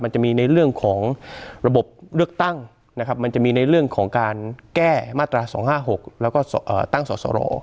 มันจะมีในเรื่องของระบบเลือกตั้งนะครับมันจะมีในเรื่องของการแก้มาตรา๒๕๖แล้วก็ตั้งสอสร